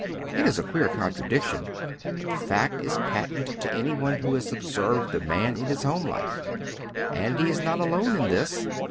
It is a queer contradiction, but the fact is patent to anyone who has observed the man in his home life. And he is not alone in this.